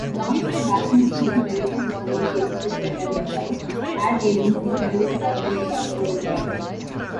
John Krasinski narrated the commercials, which were developed by ad agency Leo Burnett Worldwide.